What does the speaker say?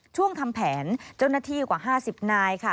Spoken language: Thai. ทำแผนเจ้าหน้าที่กว่า๕๐นายค่ะ